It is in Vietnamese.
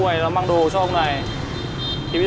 đây đây cô chú em ạ